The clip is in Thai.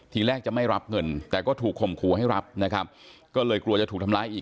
ทีแรกจะไม่รับเงินแต่ก็ถูกข่มขู่ให้รับนะครับก็เลยกลัวจะถูกทำร้ายอีก